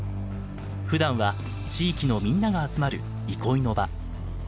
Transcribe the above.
ふだんは地域のみんなが集まる憩いの場。